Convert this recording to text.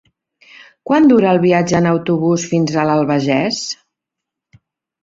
Quant dura el viatge en autobús fins a l'Albagés?